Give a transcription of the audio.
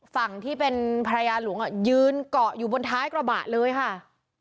ฝั่งที่เป็นภรรยาหลวงยืนเกาะอยู่บนท้ายกระบะเลยค่ะ